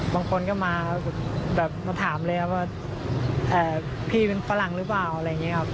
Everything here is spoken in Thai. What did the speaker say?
บางคนก็มาแบบมาถามเลยครับว่าพี่เป็นฝรั่งหรือเปล่าอะไรอย่างนี้ครับ